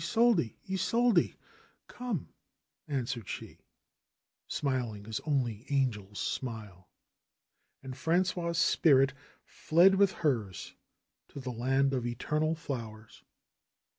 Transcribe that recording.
Isolde ! Isolde 1" "Come !" answered she, smiling as only angels smile. And Frangois' spirit fled with hers to the land of eter nal flowers.